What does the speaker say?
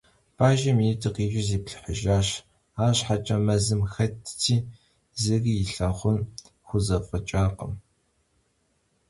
Бажэм и нитӀыр къижу зиплъыхьащ. АрщхьэкӀэ мэзым хэтти, зыри илъагъун хузэфӀэкӀакъым.